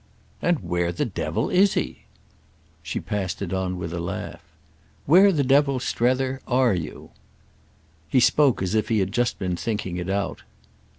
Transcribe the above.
"And where the devil is he?" She passed it on with a laugh. "Where the devil, Strether, are you?" He spoke as if he had just been thinking it out.